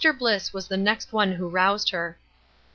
Bliss was the next one who roused her.